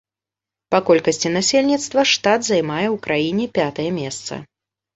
Па колькасці насельніцтва штат займае ў краіне пятае месца.